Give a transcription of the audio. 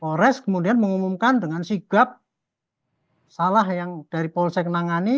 polres kemudian mengumumkan dengan sigap salah yang dari polsek nangani